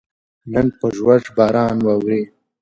نن په ژوژ باران ووري